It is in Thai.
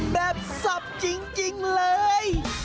แบบทรัพย์จริงเลย